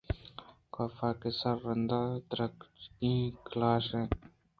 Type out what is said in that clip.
کاف کہ سررند ءَ درگیجگ ءَ گلائیش اَت